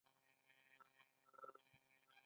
ایا زه بادیان خوړلی شم؟